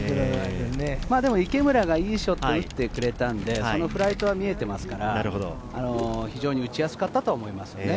でも池村が良いショットを打ってくれたんで、そのフライトは見えていますから、非常に打ちやすかったと思いますね。